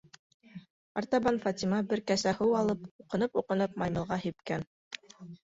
Артабан Фатима, бер кәсә һыу алып, уҡынып-уҡынып, маймылға һипкән.